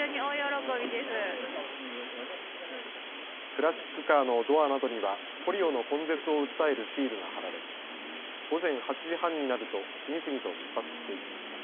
クラシックカーのドアなどにはポリオの根絶を訴えるシールがはられ午前８時半になると次々と出発していきました。